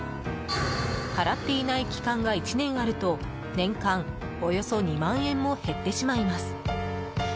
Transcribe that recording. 払っていない期間が１年あると年間およそ２万円も減ってしまいます。